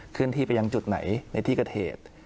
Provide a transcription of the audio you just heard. เคลื่อนที่ไปยังจุดไหนในที่กระเทศ